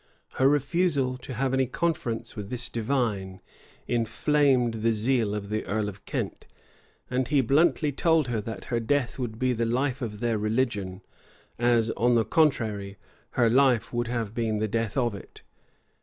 Her refusal to have any conference with this divine inflamed the zeal of the earl of Kent; and he bluntly told her, that her death would be the life of their religion; as, on the contrary, her life would have been the death of it.